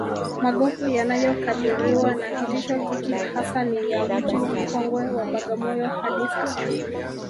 Magofu yanayokabiriwa na kitisho hiki hasa ni ya Mji mkongwe wa Bagamoyo hadi Sasa